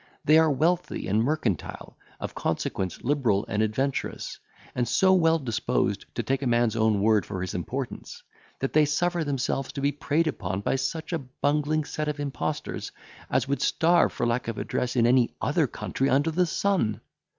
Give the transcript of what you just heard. They are wealthy and mercantile, of consequence liberal and adventurous, and so well disposed to take a man's own word for his importance, that they suffer themselves to be preyed upon by such a bungling set of impostors, as would starve for lack of address in any other country under the sun.